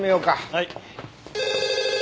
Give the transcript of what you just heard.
はい。